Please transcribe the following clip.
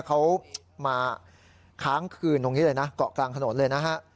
เขามาค้างคืนตรงนี้เลยนะเกาะกลางถนนเลยนะฮะ